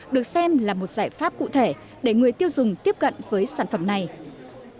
được xem là một giải pháp cụ thể để người tiêu dùng tiếp cận với sản phẩm cá tra